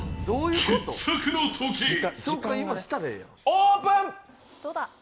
オープン！